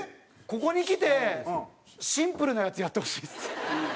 ここにきてシンプルなやつやってほしいです。